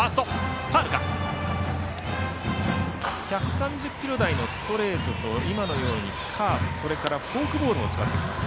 １３０キロ台のストレートと今のようにカーブフォークボールも使ってきます。